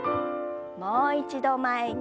もう一度前に。